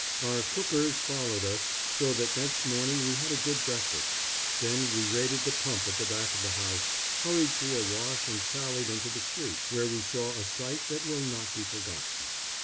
Our "cookers" followed us, so that next morning we had a good breakfast; then we raided the pump at the back of the house, hurried through a wash and sallied into the street, where we saw a sight that will not be forgotten.